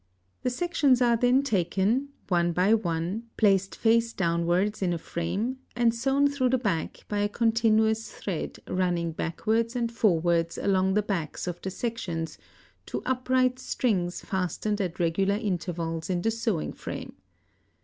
The sections are then taken, one by one, placed face downwards in a frame, and sewn through the back by a continuous thread running backwards and forwards along the backs of the sections to upright strings fastened at regular intervals in the sewing frame.